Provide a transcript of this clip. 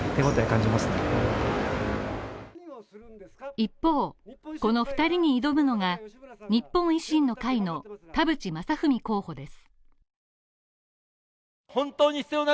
一方、この２人に挑むのが日本維新の会の田淵正文候補です。